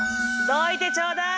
どいてちょうだい！